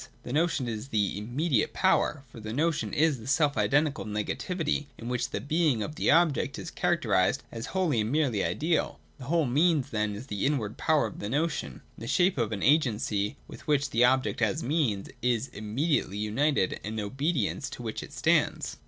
The notion is this immediate power ; for the notion is the self identical negativity, in which the being of the object is characterised as wholly and merely ideal. — The whole Means then is this inward power of the notion, in the shape of an agency, with which the object as Means is 2o8, 209.] MEANS AND ENDS. 349 'immediately' united and in obedience to which it stands.